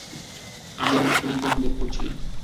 আমি আমার স্বামীকে অনুভব করেছিলাম।